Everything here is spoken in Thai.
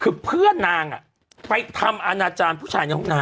คือเพื่อนนางไปทำอาณาจารย์ผู้ชายในห้องนาง